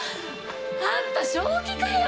あんた正気かよ！？